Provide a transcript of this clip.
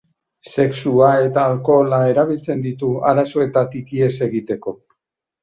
Sexua eta alkohola erabiltzen ditu arazoetatik ihes egiteko.